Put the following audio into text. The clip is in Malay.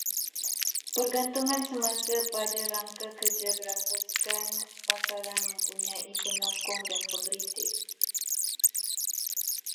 Pergantungan semasa pada rangka kerja berasaskan pasaran mempunyai penyokong dan pengkritik